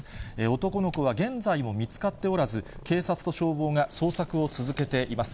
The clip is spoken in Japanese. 男の子は現在も見つかっておらず、警察と消防が捜索を続けています。